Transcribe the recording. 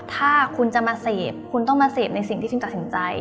ถ้าคุณจะมาเสพคุณต้องมาเสพในสิ่งที่ซิมตัดสินใจ